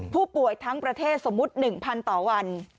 ผู้ป่วยทั้งประเทศสมมุติ๑๐๐ต่อวัน